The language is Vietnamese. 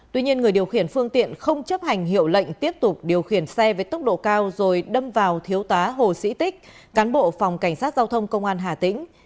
tuy nhiên người điều khiển phương tiện không chấp hành hiệu lệnh tiếp tục điều khiển xe với tốc độ cao rồi đâm vào thiếu tá hồ sĩ tích cán bộ phòng cảnh sát giao thông công an hà tĩnh